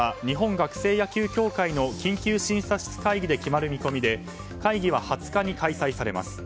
学生野球協会の緊急審査室会議で決まる見込みで会議は２０日に開催されます。